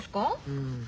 うん。